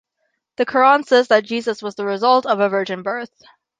The Quran says that Jesus was the result of a virgin birth.